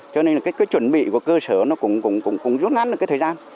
cho nên là cái chuẩn bị của cơ sở nó cũng rút ngắn được cái thời gian